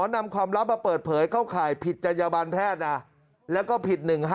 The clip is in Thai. นำความลับมาเปิดเผยเข้าข่ายผิดจัญญบันแพทย์แล้วก็ผิด๑๕